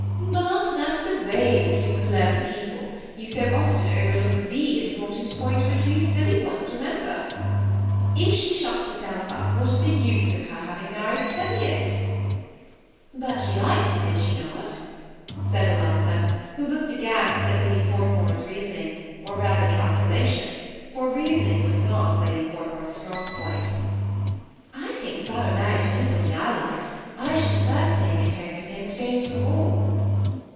Bat that is the way with you clever people; you so often overlook the important point which we silly ones remember. If she shuts herself up^ what is the use of her having married Teviot ?"<< But she liked him, did she not ?" said Eliza, who looked aghast at Lady Portmore's reasoning — or rather calculation — for reasoning was not Lady Port more's strong point '^I think if I were married to anybody I liked, I should prefer staying at home with him to going to a ball."